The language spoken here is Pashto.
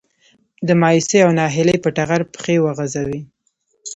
د مايوسي او ناهيلي په ټغر پښې وغځوي.